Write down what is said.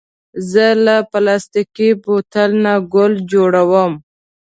زه له پلاستيکي بوتل نه ګل جوړوم.